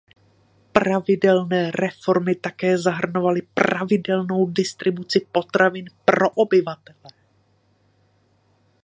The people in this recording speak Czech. Plánované reformy také zahrnovaly pravidelnou distribuci potravin pro obyvatele.